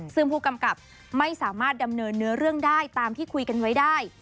ซึ่งผู้กำกับไม่สามารถดำเนินเนื้อเรื่องได้ตามที่คุยกันไว้ได้